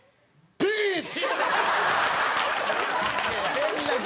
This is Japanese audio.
ピーンチ。